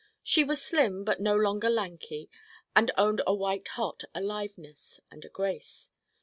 She was slim but no longer lanky and owned a white hot aliveness and a grace.